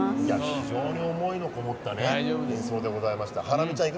非常に思いのこもった演奏でございました。